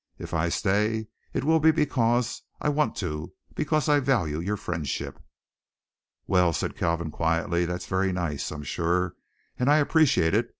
If I stay, it will be because I want to because I value your friendship." "Well," said Kalvin quietly, "that's very nice, I'm sure, and I appreciate it.